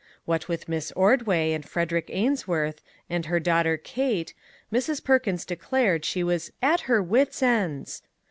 What with Miss Ordway, and Fred erick Ainsworth, and her daughter Kate, Mrs. Perkins declared she was at " her wits' ends."